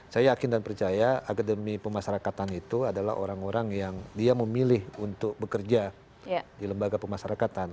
saya yakin dan percaya akademi pemasarakatan itu adalah orang orang yang dia memilih untuk bekerja di lembaga pemasarakatan